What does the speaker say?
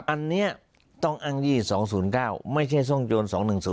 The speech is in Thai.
อันนี้ต้องอ้าง๒๐๙ไม่ใช่ซ่องโจร๒๑๐